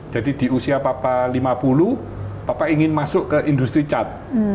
jadi di usia papa lima puluh papa ingin masuk ke industri cat